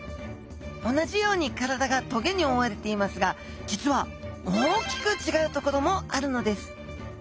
同じように体が棘に覆われていますが実は大きく違うところもあるのです。